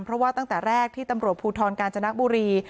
เพราะว่าตั้งแต่แรกที่ตำรวจภูทรกาญจนบุรี